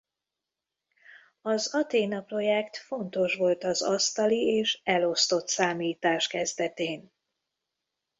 Az Athena Projekt fontos volt az asztali és elosztott számítás kezdetén.